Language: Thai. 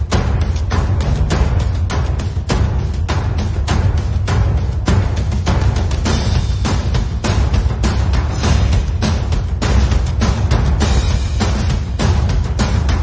ไม่น่าจะเป็นการต้องกอเหตุอย่างเดียว